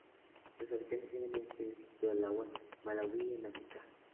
Los habitantes deben ser cíclidos del lago Malawi al este de África.